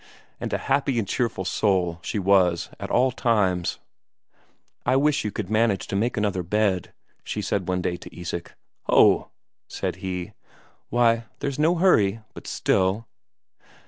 And a happy and cheerful soul she was at all times. "I wish you could manage to make another bed," she said to Isak one day. "Ho!" said he. "Why, there's no hurry, but still...."